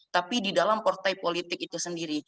tapi di dalam partai politik itu sendiri